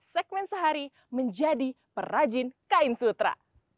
segment sehari menjadi perrajin kain sutra